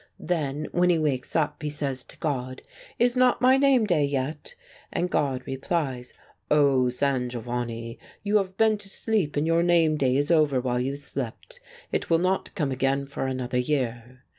Then when he wakes up he says to God, ' Is not my name day yet ?' And God replies, ' O San Giovanni, you have been to sleep and your name day is over while you slept. It will not come again for another year.'